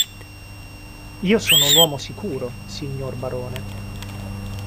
Io sono un uomo sicuro, signor barone.